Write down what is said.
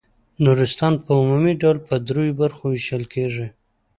نورستان په عمومي ډول په دریو برخو وېشل کیږي.